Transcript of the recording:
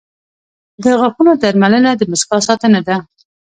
• د غاښونو درملنه د مسکا ساتنه ده.